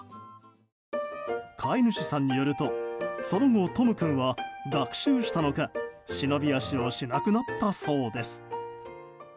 飼い主さんによるとその後、富君は学習したのか忍び足をしなくなったそうです。